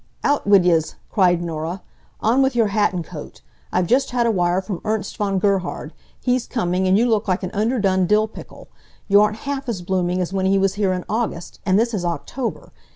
"Out wid yez!" cried Norah. "On with your hat and coat! I've just had a wire from Ernst von Gerhard. He's coming, and you look like an under done dill pickle. You aren't half as blooming as when he was here in August, and this is October.